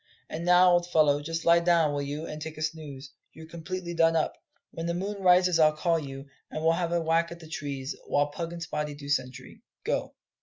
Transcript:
And now, old fellow, just lie down, will you, and take a snooze: you're completely done up. When the moon rises I'll call you, and we'll have a whack at the trees, while Pug and Spottie do sentry go."